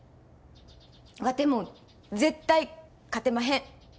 ワテも絶対勝てまへん。